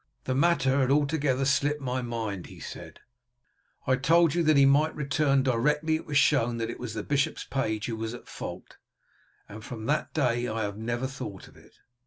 'The matter had altogether slipped my mind,' he said; 'I told you that he might return directly it was shown that it was the bishop's page who was in fault, and from that day I have never thought of it.'